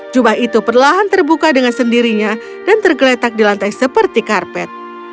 jubah itu perlahan terbuka dengan sendirinya dan tergeletak di lantai seperti karpet